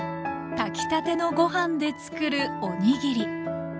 炊きたてのご飯でつくるおにぎり。